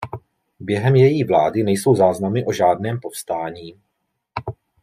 Během její vlády nejsou záznamy o žádném povstání.